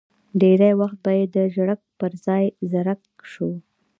ډېری وخت به یې د ژړک پر ځای زرک شو.